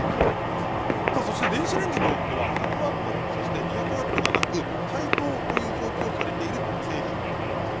さあそして電子レンジによっては１００ワットそして２００ワットがなく解凍という表記をされている製品もあります。